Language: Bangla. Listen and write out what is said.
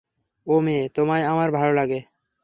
ও মেয়ে, তোমায় আমার লাগে ভালো।